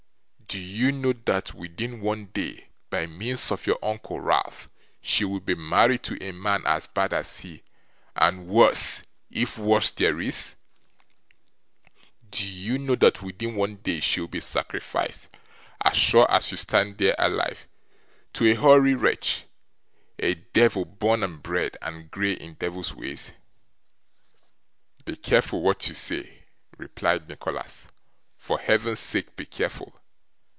'Do you know that within one day, by means of your uncle Ralph, she will be married to a man as bad as he, and worse, if worse there is? Do you know that, within one day, she will be sacrificed, as sure as you stand there alive, to a hoary wretch a devil born and bred, and grey in devils' ways?' 'Be careful what you say,' replied Nicholas. 'For Heaven's sake be careful!